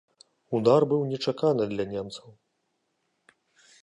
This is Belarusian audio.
Удар быў нечаканы для немцаў.